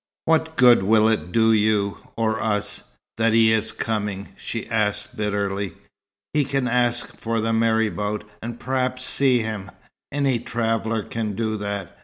"What good will it do you or us that he is coming?" she asked bitterly. "He can ask for the marabout, and perhaps see him. Any traveller can do that.